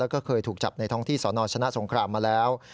แล้วก็เคยถูกจับในท้องที่สนชนะสงครามมาแล้ว